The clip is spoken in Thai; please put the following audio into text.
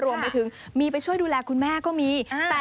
รวมไปถึงมีไปช่วยดูแลคุณแม่ก็มี